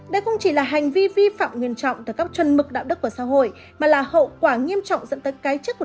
đây không chỉ là hành vi vi phạm nguyên trọng từ các chuân mực đạo đức của xã hội